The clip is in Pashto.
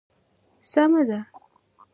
سمه ده.